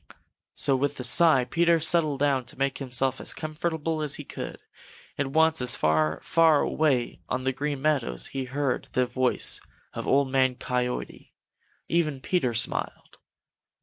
So with a sigh Peter settled down to make himself as comfortable as he could, and once, as far, far away on the Green Meadows he heard the voice of Old Man Coyote, Peter even smiled.